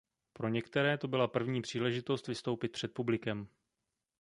Pro některé to byla první příležitost vystoupit před publikem.